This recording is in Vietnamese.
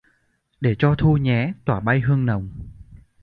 Để cho Thu nhé tỏa bay hương nồng